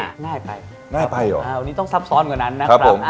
น่าไปน่าไปหรออ่าวันนี้ต้องซับซ้อนกว่านั้นนะครับครับผม